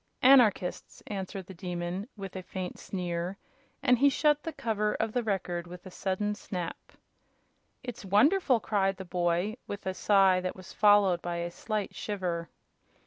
"Anarchists!" answered the Demon, with a faint sneer, and he shut the cover of the Record with a sudden snap. "It's wonderful!" cried the boy, with a sigh that was followed by a slight shiver.